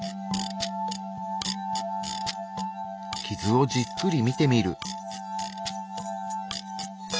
傷をじっくり見てみる。